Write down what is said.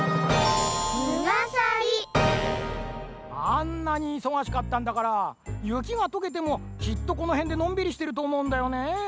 あんなにいそがしかったんだからゆきがとけてもきっとこのへんでのんびりしてるとおもうんだよね。